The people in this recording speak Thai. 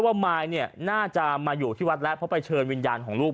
มายเนี่ยน่าจะมาอยู่ที่วัดแล้วเพราะไปเชิญวิญญาณของลูก